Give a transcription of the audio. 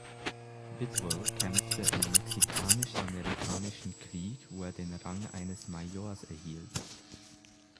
Bidwell kämpfte im Mexikanisch-Amerikanischen Krieg, wo er den Rang eines Majors erhielt.